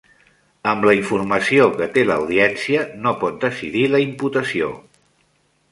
Amb la informació que té l'Audiència no pot decidir la imputació